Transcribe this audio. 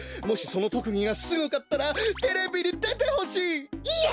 もしそのとくぎがすごかったらテレビにでてほしい！